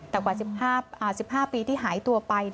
แต่กว่า๑๕ปีที่หายตัวไป